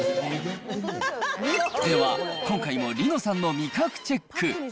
では、今回も梨乃さんの味覚チェック。